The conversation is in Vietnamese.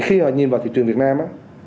khi họ nhìn vào thị trường việt nam